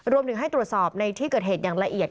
รวมถึงให้ตรวจสอบในที่เกิดเหตุอย่างละเอียด